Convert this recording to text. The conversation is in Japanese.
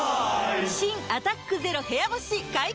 新「アタックＺＥＲＯ部屋干し」解禁‼